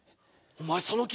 お前その傷